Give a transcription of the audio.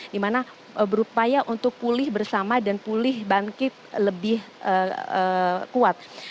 dimana berupaya untuk pulih bersama dan pulih bangkit lebih kuat